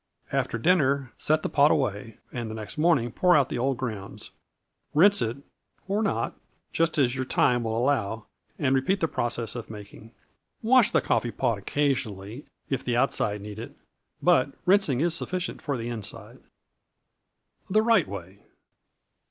After dinner set the pot away, and the next morning pour out the old grounds; rinse it or not just as your time will allow and repeat the process of making. Wash the coffee pot occasionally if the outside need it, but rinsing is sufficient for the inside. THE RIGHT WAY.